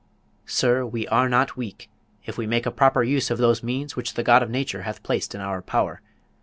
Sir, we are not weak, if we make a proper use of those means which the God of Nature hath placed in our power.